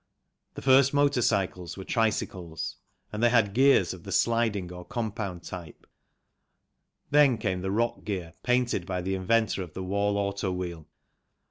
The first motor cycles were tricycles, and they had gears of the sliding or compound type, then came the Roc gear patented by the inventor of the Wall Auto Wheel.